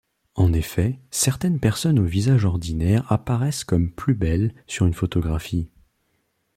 En effet certaines personnes au visage ordinaire apparaissent comme plus belles sur une photographie.